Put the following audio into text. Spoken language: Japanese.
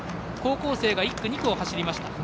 高校生が１区、２区を走りました。